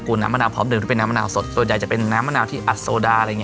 อยู่แล้วขายดีขึ้นด้วย